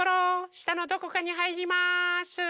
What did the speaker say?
したのどこかにはいります。